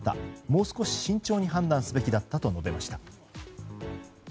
もう少し慎重に判断すべきだったと述べました。